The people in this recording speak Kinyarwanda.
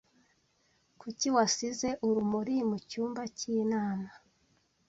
Kuki wasize urumuri mucyumba cy'inama?